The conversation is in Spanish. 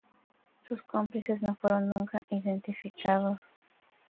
Sus cómplices no fueron nunca identificados.